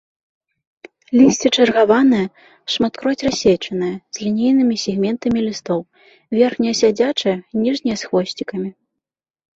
Лісце чаргаванае, шматкроць рассечанае, з лінейнымі сегментамі лістоў, верхняе сядзячае, ніжняе з хвосцікамі.